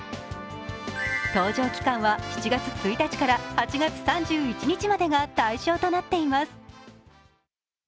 搭乗期間は７月１日から８月３１日までが対象となっています。